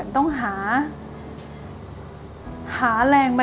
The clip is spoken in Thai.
ต้องต้องรีบประวัติในน้ำ